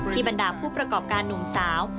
บรรดาผู้ประกอบการหนุ่มสาว